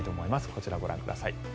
こちら、ご覧ください。